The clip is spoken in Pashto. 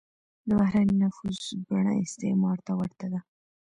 د بهرنی نفوذ بڼه استعمار ته ورته ده.